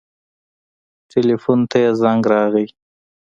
ټېلفون ته يې زنګ راغى.